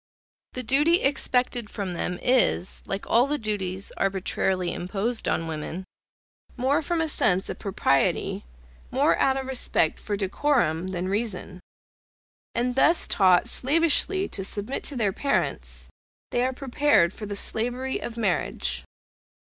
The duty expected from them is, like all the duties arbitrarily imposed on women, more from a sense of propriety, more out of respect for decorum, than reason; and thus taught slavishly to submit to their parents, they are prepared for the slavery of marriage.